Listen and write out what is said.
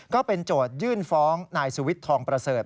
โจทยื่นฟ้องนายสุวิทย์ทองประเสริฐ